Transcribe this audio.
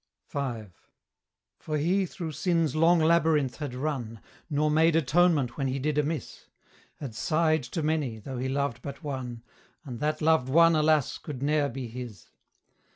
V. For he through Sin's long labyrinth had run, Nor made atonement when he did amiss, Had sighed to many, though he loved but one, And that loved one, alas, could ne'er be his.